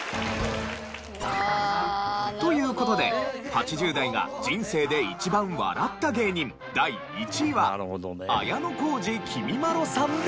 という事で８０代が人生で一番笑った芸人第１位は綾小路きみまろさんでした。